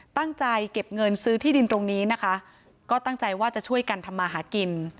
ตั้งใจเก็บเงินซื้อที่ดินตรงนี้นะคะก็ตั้งใจว่าจะช่วยกันทำมาหากิน